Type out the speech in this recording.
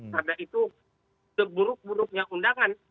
karena itu seburuk buruknya undangan